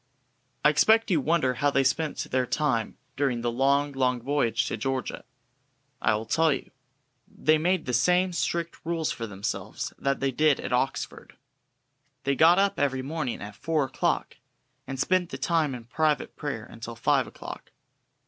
I expect you wonder how they spent their time during the long, long voyage to Georgia. I will tell you. They made the same strict rules for themselves that they did at Oxford. They got up every morning at four o'clock, and spent the time in private prayer until five o'clock.